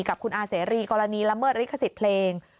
กับคุณอาเสรีกรณีละเมิดลิขสิทธิ์เพลง